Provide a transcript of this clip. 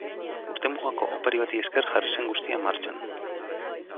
Urtemugako opari bati esker jarri zen guztia martxan.